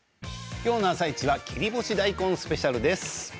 今日の「あさイチ」は切り干し大根スペシャルです。